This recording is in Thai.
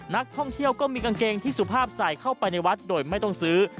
นักท่องเที่ยวก็มีกางเกงที่สุภาพใส่เข้าไปในวัดโดยไม่ต้องซื้อ